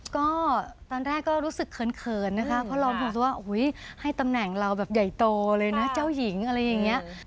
ก็ตอนแรกก็รู้สึกเขินนะคะเขาร้องทุกข์ว่าให้ตำแหน่งเราแบบใหญ่โตเลยนะเจ้าหญิงอะไรอย่างนี้